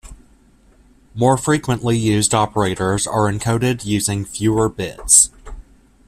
More frequently used operators are encoded using fewer bits.